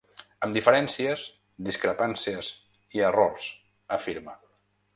Amb diferències, discrepàncies i errors, afirma.